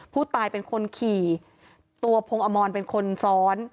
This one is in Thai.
ผู้ตายเป็นคนขี่ตัวพงอมรเป็นคนซ้อน